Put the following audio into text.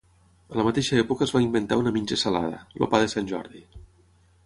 A la mateixa època es va inventar una menja salada, el pa de Sant Jordi.